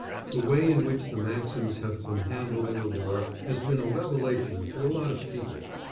The way in which the Maxims have been handled in the war has been a revelation to a lot of people.